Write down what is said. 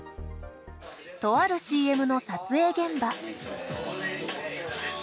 とあるＣＭの撮影現場。